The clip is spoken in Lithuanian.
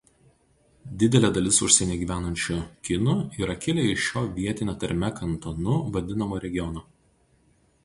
Didelė dalis užsienyje gyvenančių kinų yra kilę iš šio vietine tarme „Kantonu“ vadinamo regiono.